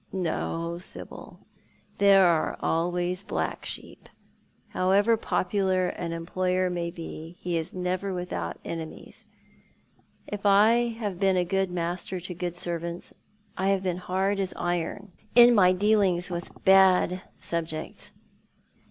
"No, Sibyl. There are always black sheep. However popular an employer may be, he is never without enemies. If I have been a good master to good servants, I have been hard as iron in my dealings with bad subjects.